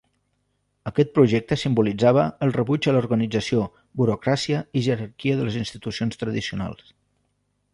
Aquest projecte simbolitzava el rebuig a l'organització, burocràcia i jerarquia de les institucions tradicionals.